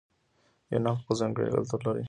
یونانیان خپل ځانګړی کلتور لري.